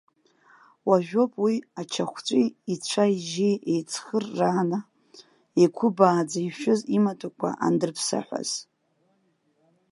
Уажәоуп уи, ачахәҵәи ицәа-ижьи еицхырааны, еиқәыбааӡа ишәыз имаҭәақәа андырԥсаҳәаз.